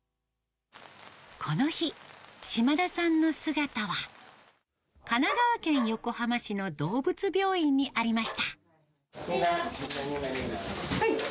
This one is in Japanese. この日、島田さんの姿は、神奈川県横浜市の動物病院にありました。